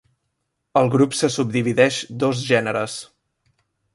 El grup se subdivideix dos gèneres.